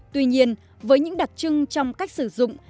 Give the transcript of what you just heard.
tuy nhiên với những đặc trưng trong cách sử dụng